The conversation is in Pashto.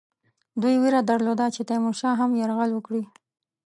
دوی وېره درلوده چې تیمورشاه هم یرغل وکړي.